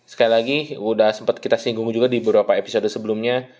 sekali lagi sudah sempat kita singgung juga di beberapa episode sebelumnya